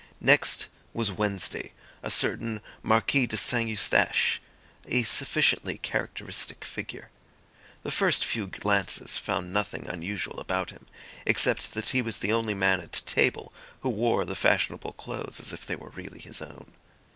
Next was Wednesday, a certain Marquis de St. Eustache, a sufficiently characteristic figure. The first few glances found nothing unusual about him, except that he was the only man at table who wore the fashionable clothes as if they were really his own.